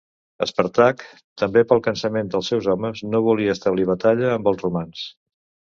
Espàrtac, també pel cansament dels seus homes, no volia establir batalla amb els romans.